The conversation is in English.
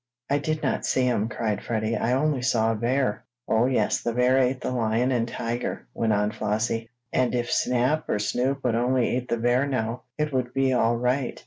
"I did not see 'em!" cried Freddie. "I only saw a bear!" "Oh, yes, the bear ate the lion and tiger," went on Flossie, "and if Snap or Snoop would only eat the bear now, it would be all right."